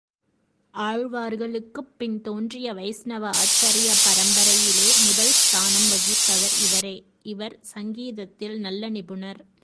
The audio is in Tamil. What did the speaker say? ஆழ்வார்களுக்குப் பின் தோன்றிய வைஷ்ணவ ஆச்சார்ய பரம்பரையிலே முதல் ஸ்தானம் வகிப்பவர் இவரே, இவர் சங்கீதத்தில் நல்ல நிபுணர்.